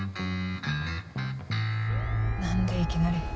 何でいきなり。